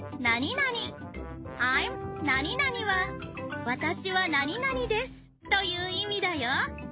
Ｉ’ｍなになには私はなになにですという意味だよ。